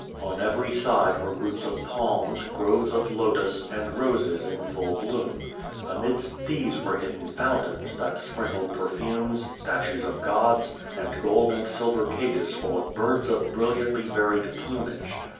On every side were groups of palms, groves of lotus, and roses in full bloom. Amidst tliese were hidden fountains that sprinkled perfumes, statues of gods, and gold and silver cages full of birds of bril liantly varied plumage.